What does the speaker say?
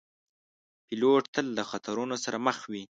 پیلوټ تل له خطرونو سره مخ وي.